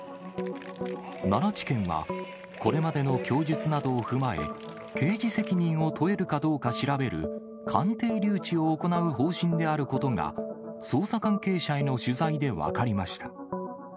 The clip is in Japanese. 奈良地検は、これまでの供述などを踏まえ、刑事責任を問えるかどうか調べる鑑定留置を行う方針であることが、捜査関係者への取材で分かりました。